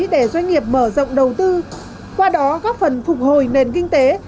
để doanh nghiệp mở rộng đầu tư qua đó góp phần phục hồi nền kinh tế